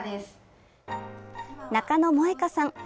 中野萌絵香さん。